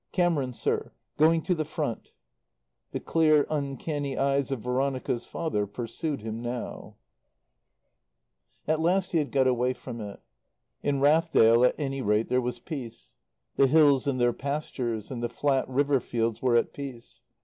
"Camerons, sir. Going to the Front." The clear, uncanny eyes of Veronica's father pursued him now. At last he had got away from it. In Rathdale, at any rate, there was peace. The hills and their pastures, and the flat river fields were at peace.